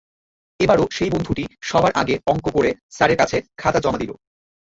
এবারও সেই বন্ধুটি সবার আগে অঙ্ক করে স্যারের কাছে খাতা জমা দিল।